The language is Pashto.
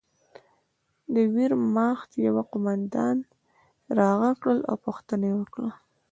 د ویرماخت یوه قومندان را غږ کړ او پوښتنه یې وکړه